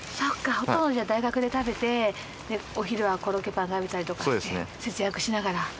ほとんどじゃあ大学で食べてお昼はコロッケパン食べたりとかして節約しながら。